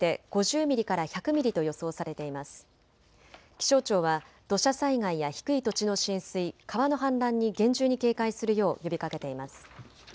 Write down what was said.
気象庁は土砂災害や低い土地の浸水、川の氾濫に厳重に警戒するよう呼びかけています。